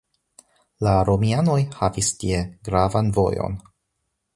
La romianoj havis tie gravan vojon.